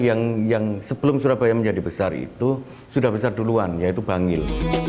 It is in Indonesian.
yang sebelum surabaya menjadi besar itu sudah besar duluan yaitu bangil